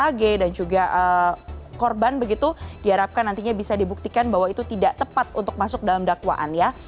ag dan juga korban begitu diharapkan nantinya bisa dibuktikan bahwa itu tidak tepat untuk masuk dalam dakwaan ya